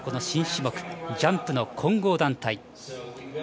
新種目ジャンプの混合団体。